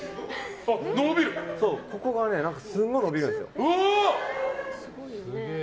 ここがねすごい伸びるんですよ。